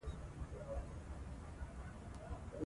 ایا تاسو سونا ته تلل غواړئ؟